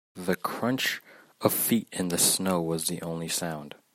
The crunch of feet in the snow was the only sound.